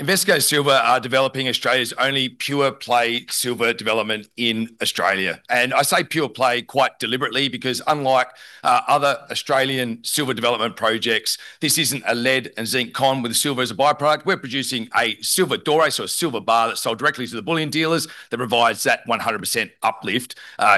Investigator Silver are developing Australia's only pure play silver development in Australia. I say pure play quite deliberately because unlike other Australian silver development projects, this isn't a lead and zinc con with silver as a byproduct. We're producing a silver doré, so a silver bar that's sold directly to the bullion dealers that provides that 100% uplift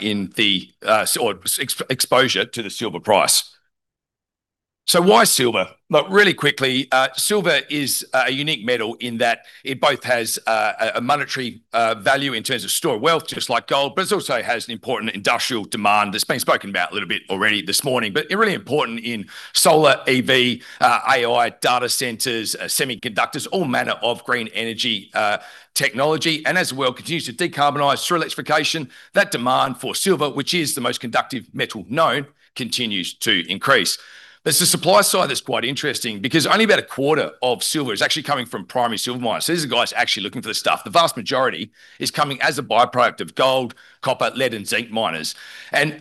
in the or exposure to the silver price. Why silver? Look, really quickly, silver is a unique metal in that it both has a monetary value in terms of stored wealth, just like gold, but it also has an important industrial demand that's been spoken about a little bit already this morning. Really important in solar, EV, AI, data centers, semiconductors, all manner of green energy technology. As the world continues to decarbonize through electrification, that demand for silver, which is the most conductive metal known, continues to increase. It's the supply side that's quite interesting because only about a quarter of silver is actually coming from primary silver miners. These are the guys actually looking for the stuff. The vast majority is coming as a byproduct of gold, copper, lead, and zinc miners.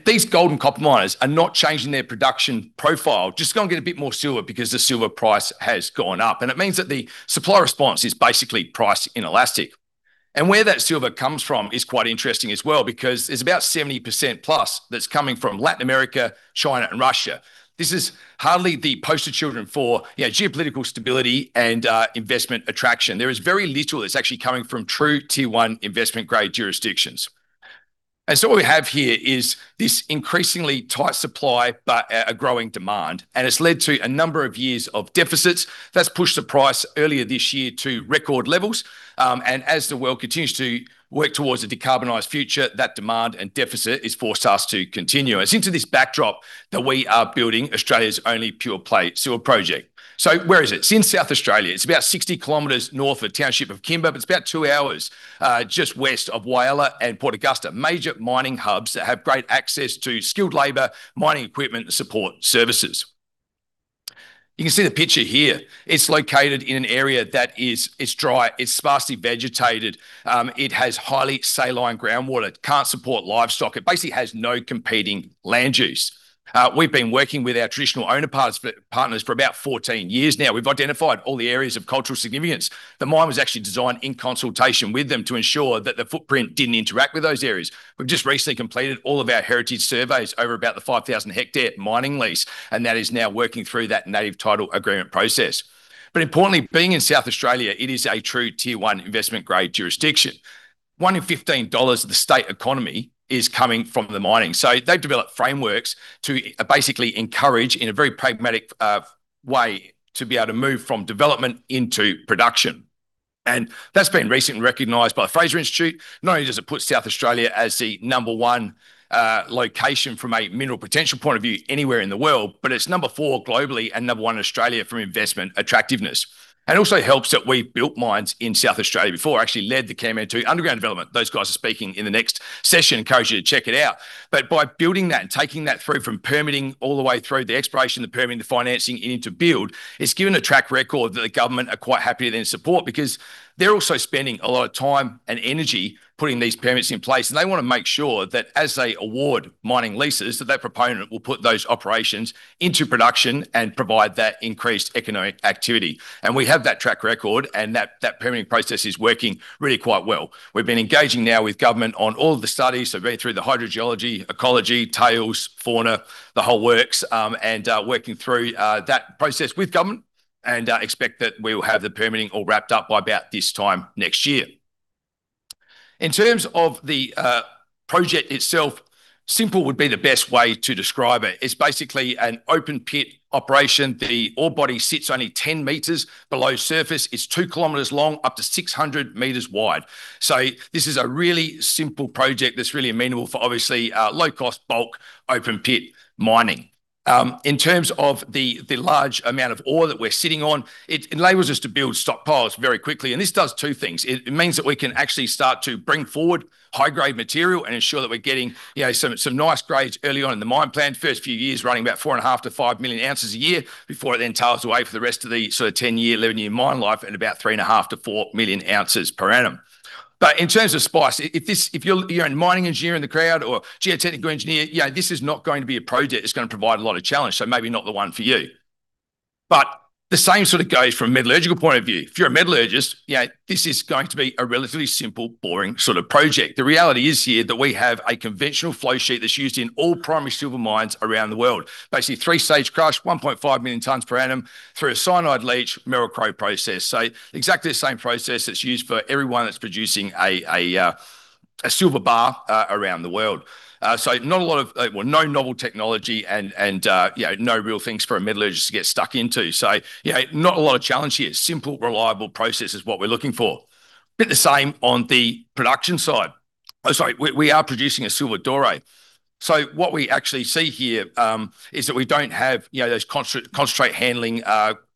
These gold and copper miners are not changing their production profile, just going to get a bit more silver because the silver price has gone up. It means that the supply response is basically priced inelastic. Where that silver comes from is quite interesting as well because it's about 70%+ that's coming from Latin America, China, and Russia. This is hardly the poster children for geopolitical stability and investment attraction. There is very little that's actually coming from true Tier-1 investment-grade jurisdictions. What we have here is this increasingly tight supply, but a growing demand, and it's led to a number of years of deficits that's pushed the price earlier this year to record levels. As the world continues to work towards a decarbonized future, that demand and deficit is forced us to continue. It's into this backdrop that we are building Australia's only pure play silver project. Where is it? It's in South Australia. It's about 60 km north of township of Kimba, but it's about two hours just west of Whyalla and Port Augusta. Major mining hubs that have great access to skilled labor, mining equipment, and support services. You can see the picture here. It's located in an area that is dry, it's sparsely vegetated. It has highly saline groundwater, can't support livestock. It basically has no competing land use. We've been working with our traditional owner partners for about 14 years now. We've identified all the areas of cultural significance. The mine was actually designed in consultation with them to ensure that the footprint didn't interact with those areas. We've just recently completed all of our heritage surveys over about the 5,000 hectare mining lease, and that is now working through that native title agreement process. Importantly, being in South Australia, it is a true Tier-1 investment grade jurisdiction. One in 15 dollars of the state economy is coming from the mining. They've developed frameworks to basically encourage, in a very pragmatic way, to be able to move from development into production. That's been recently recognized by the Fraser Institute. Not only does it put South Australia as the number one location from a mineral potential point of view anywhere in the world, but it's number four globally and number one in Australia from investment attractiveness. It also helps that we've built mines in South Australia before. I actually led the Kanmantoo underground development. Those guys are speaking in the next session. Encourage you to check it out. By building that and taking that through from permitting all the way through the exploration, the permitting, the financing into build, it's given a track record that the government are quite happy to then support because they're also spending a lot of time and energy putting these permits in place. They want to make sure that as they award mining leases, that that proponent will put those operations into production and provide that increased economic activity. We have that track record and that permitting process is working really quite well. We've been engaging now with government on all of the studies. Been through the hydrogeology, ecology, tails, fauna, the whole works, and working through that process with government and expect that we'll have the permitting all wrapped up by about this time next year. In terms of the project itself, simple would be the best way to describe it. It's basically an open pit operation. The ore body sits only 10 m below surface. It's 2 km long, up to 600 m wide. This is a really simple project that's really amenable for obviously low-cost bulk open pit mining. In terms of the large amount of ore that we're sitting on, it enables us to build stockpiles very quickly. This does two things. It means that we can actually start to bring forward high-grade material and ensure that we're getting some nice grades early on in the mine plan. The first few years running about 4.5 million-5 million ounces a year before it then tails away for the rest of the sort of 10-year, 11-year mine life and about 3.5 million-4 million ounces per annum. In terms of spice, if you're a mining engineer in the crowd or geotechnical engineer, this is not going to be a project that's going to provide a lot of challenge. Maybe not the one for you. The same sort of goes from a metallurgical point of view. If you're a metallurgist, this is going to be a relatively simple, boring sort of project. The reality is here that we have a conventional flow sheet that's used in all primary silver mines around the world. Basically, 3-stage crush, 1.5 million tons per annum through a cyanide leach, Merrill-Crowe process. Exactly the same process that's used for everyone that's producing a silver bar around the world. Not a lot of Well, no novel technology and no real things for a metallurgist to get stuck into. Not a lot of challenge here. Simple, reliable process is what we're looking for. Bit the same on the production side. Oh, sorry. We are producing a silver doré. What we actually see here is that we don't have those concentrate handling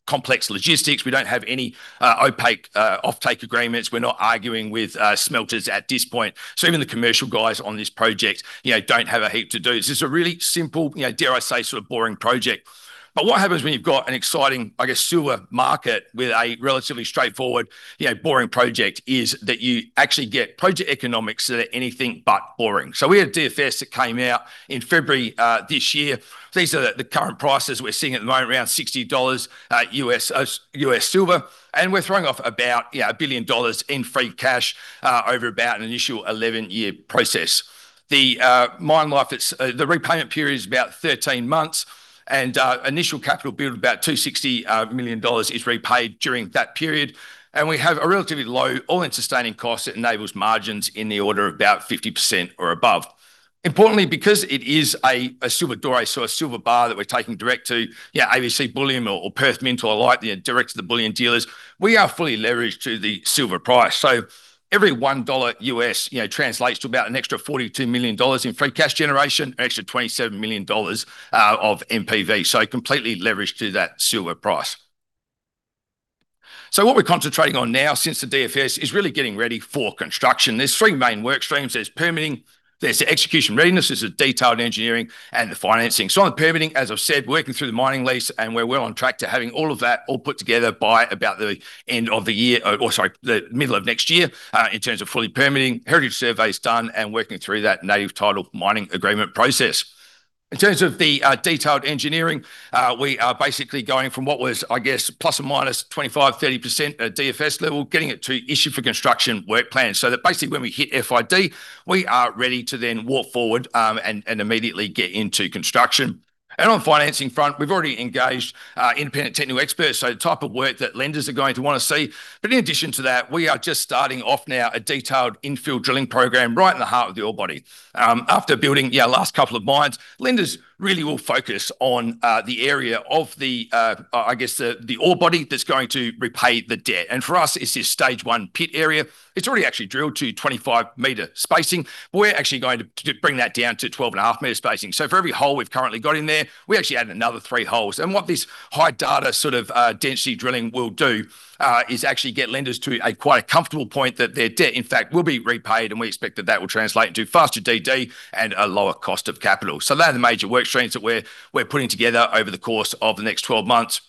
complex logistics. We don't have any opaque offtake agreements. We're not arguing with smelters at this point. Even the commercial guys on this project don't have a heap to do. This is a really simple, dare I say, sort of boring project. What happens when you've got an exciting, I guess, silver market with a relatively straightforward boring project is that you actually get project economics that are anything but boring. We had a DFS that came out in February this year. These are the current prices we're seeing at the moment, around $60 silver, and we're throwing off about $1 billion in free cash over about an initial 11-year process. The mine life, the repayment period is about 13 months. Initial capital build of about $260 million is repaid during that period. We have a relatively low All-in sustaining cost that enables margins in the order of about 50% or above. Importantly, because it is a silver doré, so a silver bar that we're taking direct to ABC Bullion or Perth Mint or like direct to the bullion dealers, we are fully leveraged to the silver price. Every $1 translates to about an extra $42 million in free cash generation, an extra $27 million of NPV. Completely leveraged to that silver price. What we're concentrating on now since the DFS is really getting ready for construction. There's three main work streams. There's permitting, there's the execution readiness, there's the detailed engineering, and the financing. On permitting, as I've said, working through the mining lease, and we're well on track to having all of that all put together by about the end of the year, or sorry, the middle of next year, in terms of fully permitting, heritage surveys done, and working through that native title mining agreement process. In terms of the detailed engineering, we are basically going from what was, I guess, ±25%, 30% at DFS level, getting it to issue for construction work plan. That basically when we hit FID, we are ready to then walk forward, and immediately get into construction. On financing front, we've already engaged independent technical experts, so the type of work that lenders are going to want to see. In addition to that, we are just starting off now a detailed infill drilling program right in the heart of the ore body. After building your last couple of mines, lenders really will focus on the area of the ore body that's going to repay the debt. For us, it's this stage 1 pit area. It's already actually drilled to 25-m spacing. We're actually going to bring that down to 12.5-m spacing. For every hole we've currently got in there, we actually add another three holes. What this high data sort of density drilling will do is actually get lenders to a quite a comfortable point that their debt, in fact, will be repaid, and we expect that that will translate into faster DD and a lower cost of capital. They are the major work streams that we're putting together over the course of the next 12 months.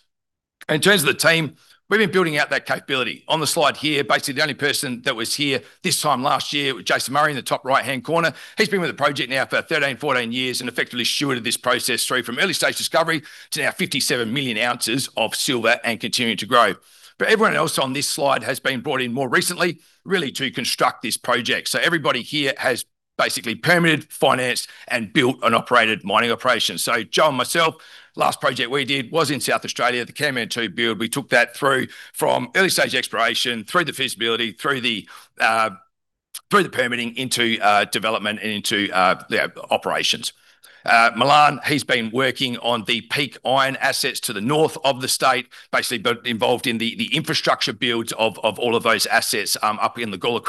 In terms of the team, we've been building out that capability. On the slide here, basically, the only person that was here this time last year was Jason Murray in the top right-hand corner. He's been with the project now for 13, 14 years and effectively stewarded this process through from early stage discovery to now 57 million ounces of silver and continuing to grow. Everyone else on this slide has been brought in more recently, really to construct this project. Everybody here has basically permitted, financed, and built and operated mining operations. Joe and myself, last project we did was in South Australia, the Kanmantoo build. We took that through from early stage exploration, through the feasibility, through the permitting into development and into operations. Milan, he's been working on the Peak Iron assets to the north of the state, basically involved in the infrastructure builds of all of those assets up in the Gawler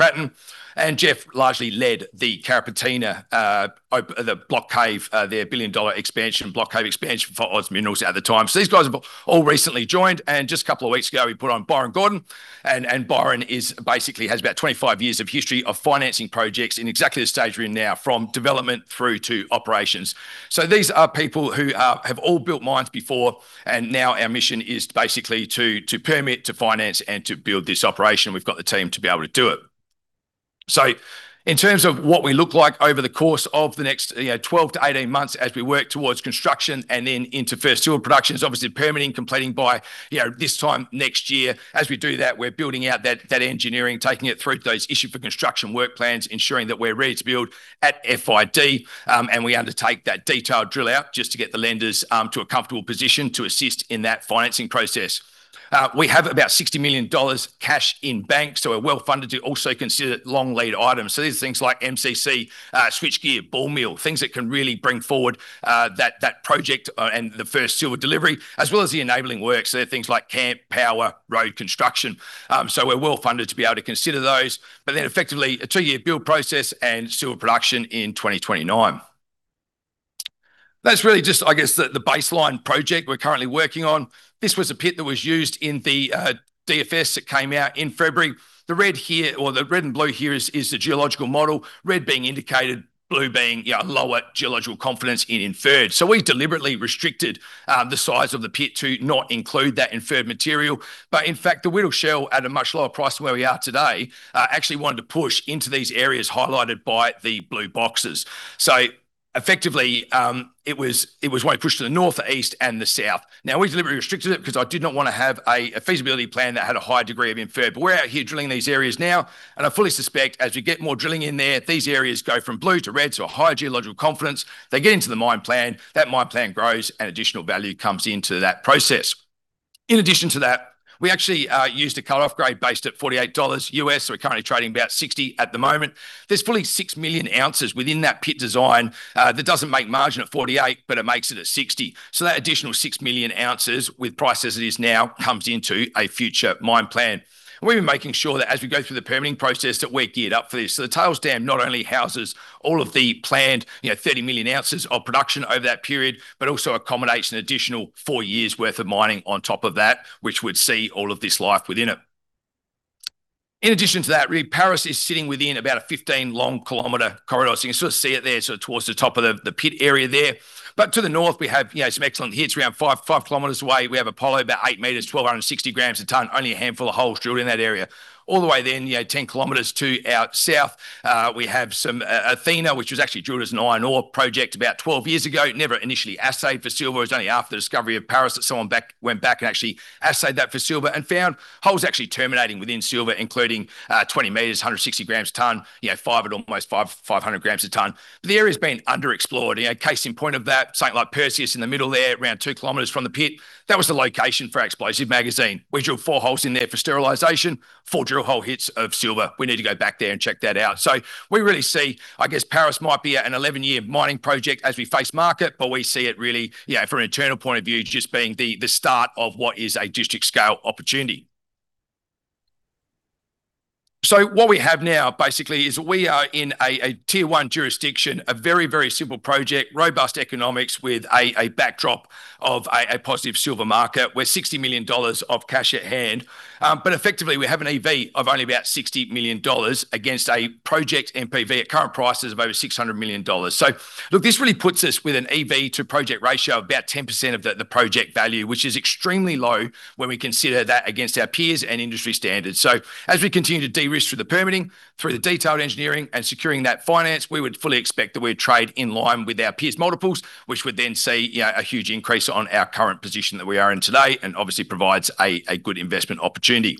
Craton. Geoff largely led the Carrapateena, the block cave, their 1 billion-dollar expansion, block cave expansion for OZ Minerals at the time. These guys have all recently joined, and just a couple of weeks ago, we put on Byron Gordon. Byron basically has about 25 years of history of financing projects in exactly the stage we're in now, from development through to operations. These are people who have all built mines before, and now our mission is basically to permit, to finance, and to build this operation. We've got the team to be able to do it. In terms of what we look like over the course of the next 12-18 months as we work towards construction and then into first silver production is obviously permitting completing by this time next year. As we do that, we're building out that engineering, taking it through to those issue for construction work plans, ensuring that we're ready to build at FID, and we undertake that detailed drill out just to get the lenders to a comfortable position to assist in that financing process. We have about 60 million dollars cash in bank, we're well-funded to also consider long lead items. These are things like MCC, switchgear, ball mill, things that can really bring forward that project and the first silver delivery, as well as the enabling works. Things like camp, power, road construction. We're well-funded to be able to consider those. Effectively, a two-year build process and silver production in 2029. That's really just, I guess, the baseline project we're currently working on. This was a pit that was used in the DFS that came out in February. The red here, or the red and blue here is the geological model. Red being indicated, blue being lower geological confidence in inferred. We deliberately restricted the size of the pit to not include that inferred material. In fact, the Whittle shell at a much lower price than where we are today actually wanted to push into these areas highlighted by the blue boxes. Effectively, it was way pushed to the north, the east, and the south. We deliberately restricted it because I did not want to have a feasibility plan that had a high degree of inferred. We're out here drilling these areas now, I fully suspect as we get more drilling in there, these areas go from blue to red, so a high geological confidence. They get into the mine plan, that mine plan grows, Additional value comes into that process. In addition to that, we actually used a cut-off grade based at $48. We're currently trading about 60 at the moment. There's fully 6 million ounces within that pit design that doesn't make margin at 48, but it makes it at 60. That additional 6 million ounces with price as it is now comes into a future mine plan. We've been making sure that as we go through the permitting process, that we're geared up for this. The tails dam not only houses all of the planned 30 million ounces of production over that period, but also accommodates an additional four years' worth of mining on top of that, which would see all of this life within it. In addition to that, really, Paris is sitting within about a 15 long km corridor. You can sort of see it there sort of towards the top of the pit area there. To the north, we have some excellent hits. Around 5 km away, we have Apollo, about 8 m, 1,260 g/ton, only a handful of holes drilled in that area. All the way, 10 km to out south, we have some Athena, which was actually drilled as an iron ore project about 12 years ago. Never initially assayed for silver. It was only after the discovery of Paris that someone went back and actually assayed that for silver and found holes actually terminating within silver, including 20 m, 160 g/ton, 5 at almost 500 g/ton. The area's been underexplored. A case in point of that, something like Perseus in the middle there, around 2 km from the pit. That was the location for our explosive magazine. We drilled four holes in there for sterilization, four drill hole hits of silver. We need to go back there and check that out. We really see, I guess Paris might be an 11-year mining project as we face market, but we see it really from an internal point of view, just being the start of what is a district scale opportunity. What we have now basically is we are in a Tier-1 jurisdiction, a very, very simple project, robust economics with a backdrop of a positive silver market. We're 60 million dollars of cash at hand. Effectively, we have an EV of only about 60 million dollars against a project NPV at current prices of over 600 million dollars. Look, this really puts us with an EV to project ratio of about 10% of the project value, which is extremely low when we consider that against our peers and industry standards. As we continue to de-risk through the permitting, through the detailed engineering, and securing that finance, we would fully expect that we'd trade in line with our peers' multiples, which would then see a huge increase on our current position that we are in today and obviously provides a good investment opportunity.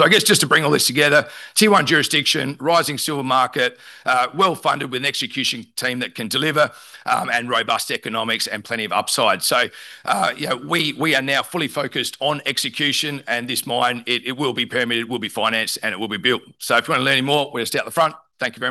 I guess just to bring all this together, Tier-1 jurisdiction, rising silver market, well-funded with an execution team that can deliver, and robust economics and plenty of upside. We are now fully focused on execution and this mine, it will be permitted, will be financed, and it will be built. If you want to learn any more, we're just out the front. Thank you